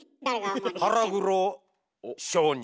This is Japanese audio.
腹黒商人。